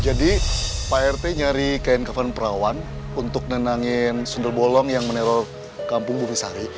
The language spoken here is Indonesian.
jadi pak rt nyari kain kafan perawan untuk nenangin sundel bolong yang menerol kampung bumisari